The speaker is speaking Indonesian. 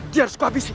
dia harus kuhabisin